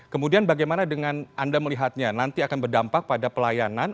kemudian bagaimana dengan anda melihatnya nanti akan berdampak pada pelayanan